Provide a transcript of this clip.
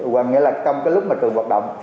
hoặc nghĩa là trong lúc mà trường hoạt động